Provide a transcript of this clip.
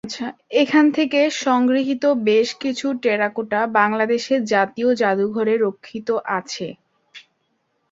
এখান থেকে সংগৃহীত বেশকিছু টেরাকোটা বাংলাদেশ জাতীয় জাদুঘরে রক্ষিত আছে।